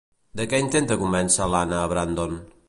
De què intenta convèncer Lana a Brandon?